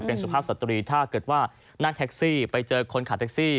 เป็นสุภาพสตรีถ้าเกิดว่านั่งแท็กซี่ไปเจอคนขับแท็กซี่